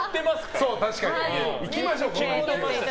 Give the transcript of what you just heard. いきましょう。